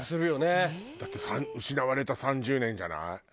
ええー？だって失われた３０年じゃない？